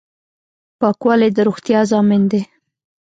پاکوالی د روغتیا ضامن دی.